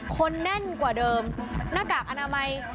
คนแน่นกว่าเดิมหน้ากากอนามัย